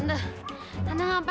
aku gak bisa diemenin mereka